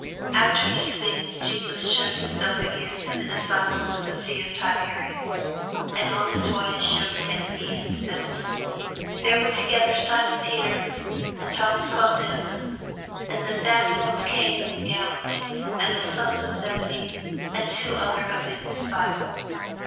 After these things Jesus shewed himself again to the disciples at the sea of Tiberias; and on this wise shewed he himself. There were together Simon Peter, and Thomas called Didymus, and Nathanael of Cana in Galilee, and the sons of Zebedee, and two other of his disciples.